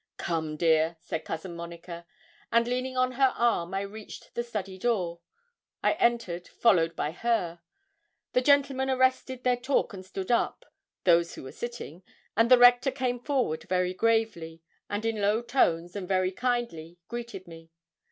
'Come, dear,' said Cousin Monica; and leaning on her arm I reached the study door. I entered, followed by her. The gentlemen arrested their talk and stood up, those who were sitting, and the Rector came forward very gravely, and in low tones, and very kindly, greeted me.